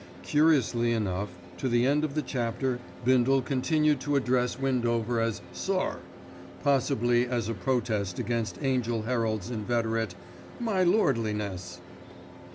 Curiously enough, to the end of the chapter Bindle continued to address Windover as "sir", possibly as a protest against Angell Herald's inveterate "my lordliness."